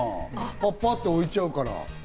パッパって置いちゃうから。